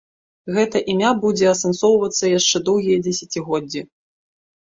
Гэта імя будзе асэнсоўвацца яшчэ доўгія дзесяцігоддзі.